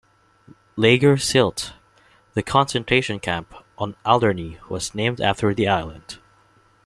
Lager Sylt, the concentration camp on Alderney was named after the island.